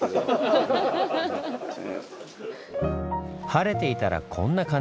晴れていたらこんな感じ。